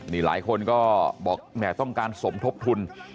นี่หลายคนก็บอกแหมต้องการสมทบทุน